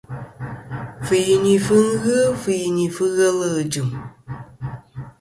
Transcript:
Fɨyinifɨ ghɨ fɨyinìfɨ ghelɨ ghɨ jɨ̀m.